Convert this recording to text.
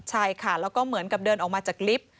ใช่ค่ะแล้วก็เหมือนกับเดินออกมาจากลิฟต์